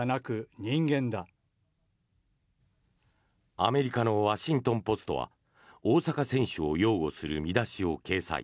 アメリカのワシントン・ポストは大坂選手を擁護する見出しを掲載。